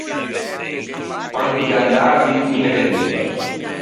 Quando ti gh’andavi, mi ne vegniva.